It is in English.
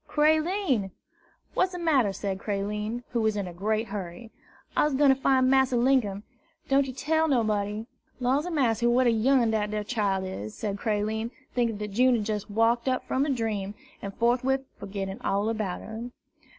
"Creline!" "What's de matter?" said Creline, who was in a great hurry. "I's gwine to fine Massa Linkum, don' yer tell nobody. Law's a massy, what a young un dat ar chile is!" said Creline, thinking that June had just waked up from a dream, and forthwith forgetting all about her.